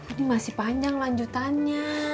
ini masih panjang lanjutannya